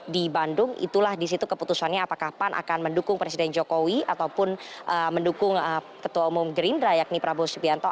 di bandung itulah disitu keputusannya apakah pan akan mendukung presiden jokowi ataupun mendukung ketua umum gerindra yakni prabowo subianto